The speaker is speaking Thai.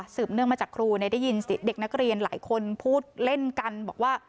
เนื่องมาจากครูได้ยินเสียงเด็กนักเรียนหลายคนพูดเล่นกันบอกว่า